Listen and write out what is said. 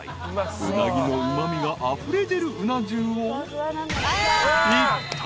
［うなぎのうま味があふれ出る鰻重を］